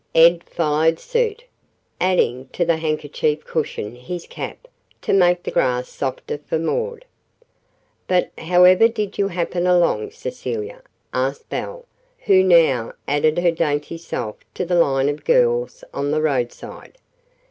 Ed followed suit, adding to the handkerchief cushion his cap to make the grass softer for Maud. "But however did you happen along, Cecilia?" asked Belle, who now added her dainty self to the line of girls on the roadside.